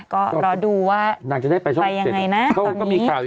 ก็รอดูว่าไปอย่างไรนะน่าจะได้ว่าเป็นแท่น